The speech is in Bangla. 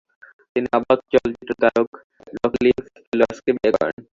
তিনি নির্বাক চলচ্চিত্র তারকা রকলিফ ফেলোয়াসকে বিয়ে করেন।